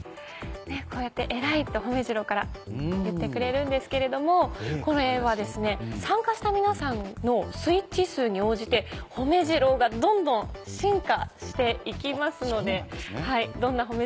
こうやって「えらい」とほめジローから言ってくれるんですけれどもこれは参加した皆さんのスイッチ数に応じてほめジローがどんどん進化して行きますのでどんなほめ